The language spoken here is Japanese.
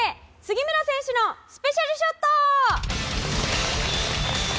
杉村選手のスペシャルショット。